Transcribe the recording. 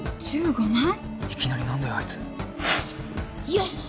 よし！